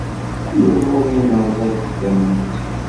I umuḍin, rẓaget tamment.